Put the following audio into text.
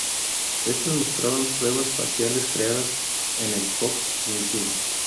Estas mostraban pruebas faciales creadas en el Fox Engine.